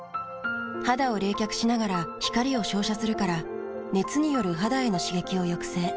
肌を冷却しながら光を照射するから熱による肌への刺激を抑制。